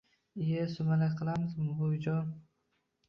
Iye, sumalak qilamizmi buvijon?